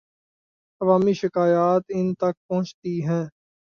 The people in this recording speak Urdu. عوامی شکایات ان تک پہنچتی ہیں۔